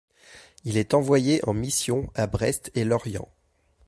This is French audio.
Il est envoyé en mission à Brest et Lorient.